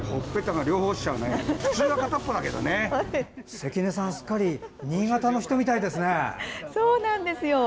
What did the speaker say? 関根さん、すっかり新潟の人みたいですね。